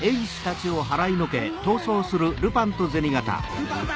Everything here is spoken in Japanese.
ルパンだ！